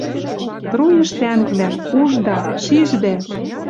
— Труйыш тӓнгвлӓ, ужда, шиждӓ!